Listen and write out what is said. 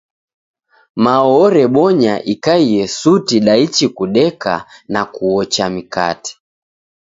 Mao orebonya ikaie suti daichi kudeka, na kuocha mikate.